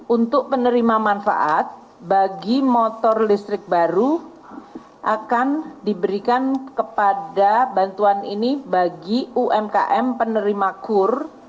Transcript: untuk penerima manfaat bagi motor listrik baru akan diberikan kepada bantuan ini bagi umkm penerima kur